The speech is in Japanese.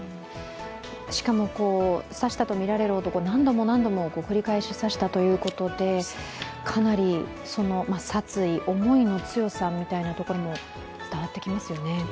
しかも刺したとみられる男、何度も何度も繰り返し刺したということでかなり殺意、思いの強さみたいなところも伝わってきますよね。